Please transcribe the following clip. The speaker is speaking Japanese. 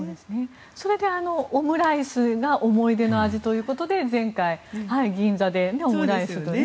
それでオムライスが思い出の味ということで前回、銀座でオムライスというね。